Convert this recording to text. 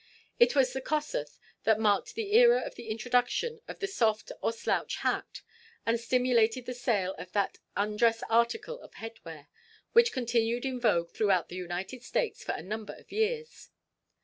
It was the "Kossuth" that marked the era of the introduction of the soft or slouch hat, and stimulated the sale of that undress article of headwear, which continued in vogue throughout the United States for a number of years.